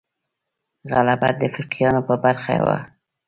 غلبه د فقیهانو په برخه وه.